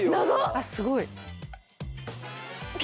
あっすごい。